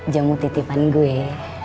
jamu titipan gue